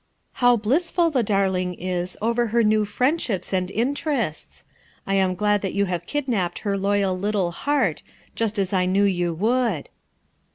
How blissful the darling is over her new friendships and interests ! I am glad that you have kidnapped her loyal little heart, just as I knew you would.'